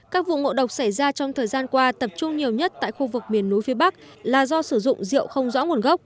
các vụ ngộ độc xảy ra trong thời gian qua tập trung nhiều nhất tại khu vực miền núi phía bắc là do sử dụng rượu không rõ nguồn gốc